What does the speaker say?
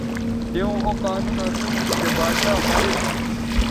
توؤں او قانون اسو چہء باچھا مرید